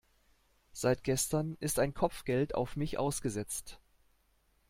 Seit gestern ist ein Kopfgeld auf mich ausgesetzt.